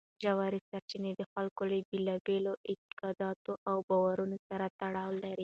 ژورې سرچینې د خلکو له بېلابېلو اعتقاداتو او باورونو سره تړاو لري.